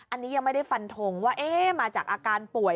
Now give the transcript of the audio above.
อันนี้ยังไม่ได้ฟันทงว่ามาจากอาการป่วย